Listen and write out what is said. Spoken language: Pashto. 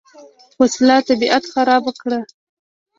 وسله طبیعت خرابه کړي